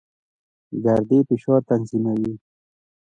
ګردې فشار تنظیموي.